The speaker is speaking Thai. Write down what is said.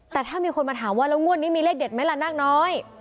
แต่ถ้ามีคนมาถามว่าแล้วงวดนี้มีเลขเด็ดไหมล่ะนาคน้อย